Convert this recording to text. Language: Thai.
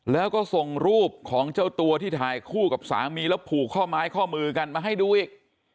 แล้วก็ส่งรูปของเจ้าตัวที่ถ่ายคู่กับสามีแล้วผูกข้อไม้ข้อมือกันมาให้ดูอีก